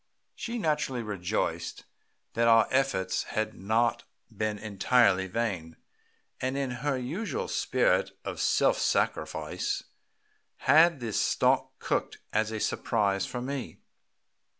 She naturally rejoiced that our efforts had not been entirely vain, and in her usual spirit of self sacrifice had the stalk cooked as a surprise for me.